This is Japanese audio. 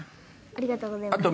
ありがとうございます。